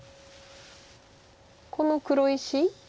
この黒石。